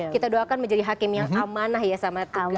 kita doakan menjadi hakim yang amanah ya sama kami